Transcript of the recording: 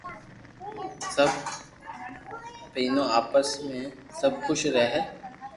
سب ڀينو آپس ميو سب خوݾ رھي ھي